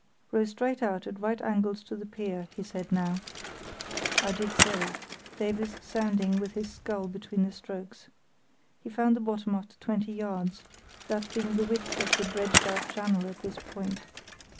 "Row straight out at right angles to the pier," he said now. I did so, Davies sounding with his scull between the strokes. He found the bottom after twenty yards, that being the width of the dredged out channel at this point.